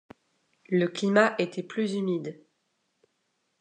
Le climat était plus humide.